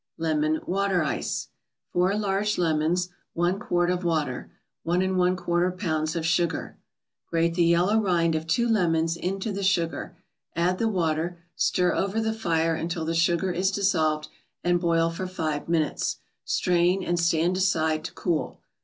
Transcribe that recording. LEMON WATER ICE 4 large lemons 1 quart of water 1 1/4 pounds of sugar Grate the yellow rind of two lemons into the sugar, add the water, stir over the fire until the sugar is dissolved, and boil for five minutes. Strain, and stand aside to cool.